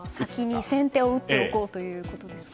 先手を打っておこうということですかね。